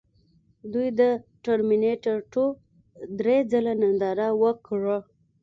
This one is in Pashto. دوی د ټرمینیټر ټو درې ځله ننداره وکړه